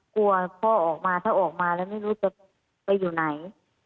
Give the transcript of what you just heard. กลัวพ่อออกมาถ้าออกมาแล้วไม่รู้จะไปอยู่ไหน